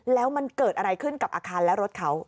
แล้วมันเกิดอะไรขึ้นกับอาคารและรถเขา